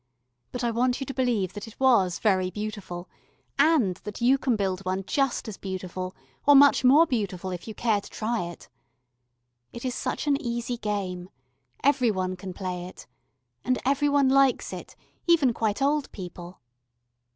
But I want you to believe that it was very beautiful, and that you can build one just as beautiful or much more beautiful if you care to try it. It is such an easy game. Every one can play it. And every one likes it even quite old people.